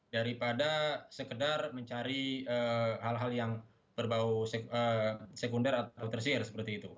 daripada sekedar mencari hal hal yang berbau sekunder atau tersir seperti itu